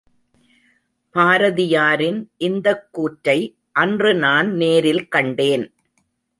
பாரதியாரின் இந்தக் கூற்றை அன்று நான் நேரில் கண்டேன்.